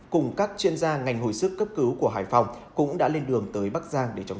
cùng các chuyên gia ngành hồi sức cấp cứu của hải phòng cũng đã lên đường tới bắc giang để chống